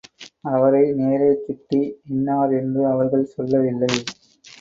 அவரை நேரே சுட்டி இன்னார் என்று அவர்கள் சொல்லவில்லை.